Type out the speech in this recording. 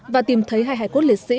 và tìm thấy hai hài cốt liệt sĩ